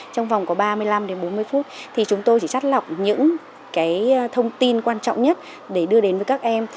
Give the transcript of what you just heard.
trong vòng có ba mươi năm đến bốn mươi phút thì chúng tôi chỉ chắt lọc những thông tin quan trọng nhất để đưa đến với các em